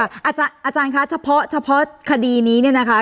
อาจารย์คะเฉพาะคดีนี้เนี่ยนะคะ